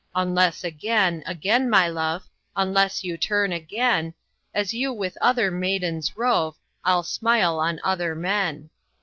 Unless again, again, my love, Unless you turn again; As you with other maidens rove, I'll smile on other men.